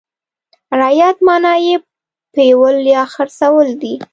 رعیت معنا یې پېول یا څرول دي.